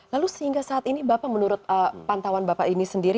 lalu sehingga saat ini bapak menurut pantauan bapak ini sendiri